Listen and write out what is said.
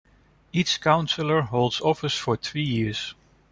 Each councilor holds office for three years.